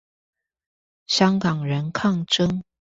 香港人抗爭